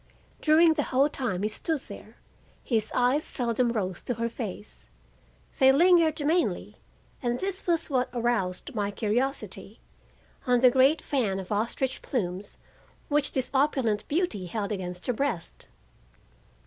During the whole time he stood there his eyes seldom rose to her face; they lingered mainly and this was what aroused my curiosity—on the great fan of ostrich plumes which this opulent beauty held against her breast.